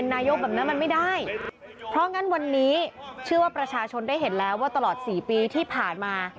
จะไม่มีสิ่งใดที่พ่อแม่พี่น้องต้องการแล้วเราทำให้เวลา